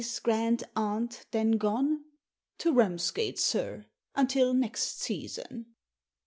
's grand aunt, then, gone?" "To Ramsgate, sir! until next season!"